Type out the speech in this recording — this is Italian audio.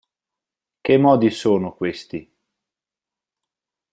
Che modi sono questi?